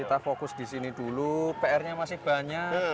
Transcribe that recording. kita fokus di sini dulu pr nya masih banyak